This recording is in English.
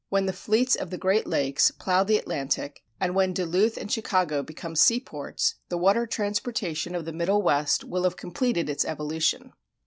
When the fleets of the Great Lakes plow the Atlantic, and when Duluth and Chicago become seaports, the water transportation of the Middle West will have completed its evolution.